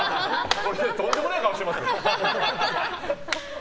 とんでもない顔してますよ。